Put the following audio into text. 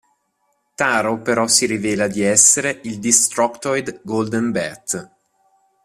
Taro però si rivela di essere il destructoid Golden Bat.